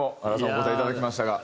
お答えいただきましたが。